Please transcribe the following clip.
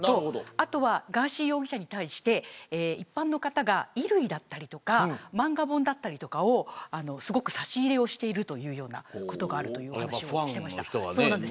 あとは、ガーシー容疑者に対して一般の方が衣類だったり漫画本だったりを差し入れをしているというようなことがあります。